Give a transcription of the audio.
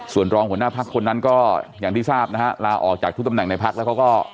ส่วนรองหัวหน้าพักคนนั้นก็อย่างที่ทราบนะฮะลาออกจากทุกตำแหน่งในพักแล้วเขาก็